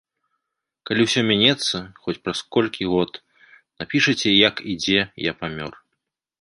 Калі ўсё мінецца, хоць праз колькі год, напішаце, як і дзе я памёр.